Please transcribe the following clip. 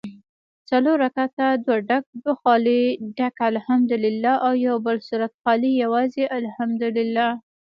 څلور رکعته دوه ډک دوه خالي ډک الحمدوالله او یوبل سورت خالي یوازي الحمدوالله